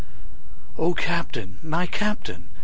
O CAPTAIN! my Captain!